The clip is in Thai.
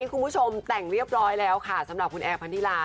คุณผู้ชมแต่งเรียบร้อยแล้วค่ะสำหรับคุณแอร์พันธิลา